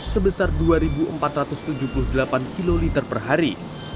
sebesar dua empat ratus tujuh puluh delapan kiloliter per hari